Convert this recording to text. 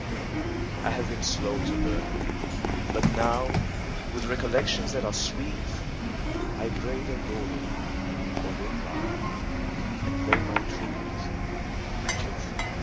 I have been slow to learn, but now, With recollections ■ that are sweet, I braid a laurel for your brow And lay my tribute at your eet.